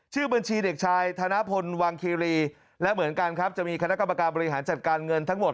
ชื่อบัญชีเด็กชายธนพลวังคีรีและเหมือนกันครับจะมีคณะกรรมการบริหารจัดการเงินทั้งหมด